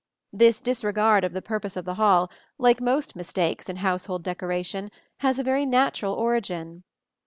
This disregard of the purpose of the hall, like most mistakes in household decoration, has a very natural origin.